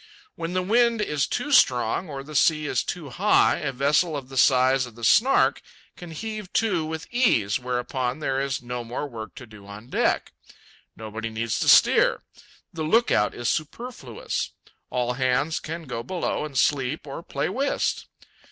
When the wind is too strong, or the sea is too high, a vessel of the size of the Snark can heave to with ease, whereupon there is no more work to do on deck. Nobody needs to steer. The lookout is superfluous. All hands can go below and sleep or play whist.